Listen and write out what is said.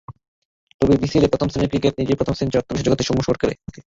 তবে বিসিএলে প্রথম শ্রেণির ক্রিকেটে নিজের প্রথম সেঞ্চুরি আত্মবিশ্বাস জোগাচ্ছে সৌম্য সরকারকে।